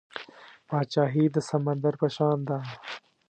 پاچاهي د سمندر په شان ده .